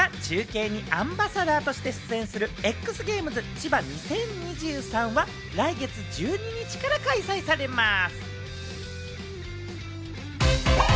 山Ｐが中継にアンバサダーとして出演するＸＧａｍｅｓＣｈｉｂａ２０２３は、来月１２日から開催されます。